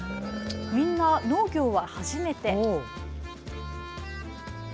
みんな農業は初めて。